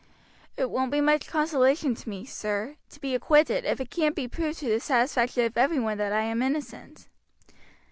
"It won't be much consolation to me, sir, to be acquitted if it can't be proved to the satisfaction of every one that I am innocent."